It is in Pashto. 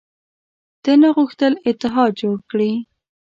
ده نه غوښتل اتحاد جوړ کړي.